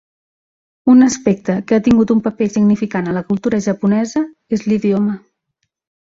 Un aspecte que ha tingut un paper significant en la cultura japonesa és l'idioma.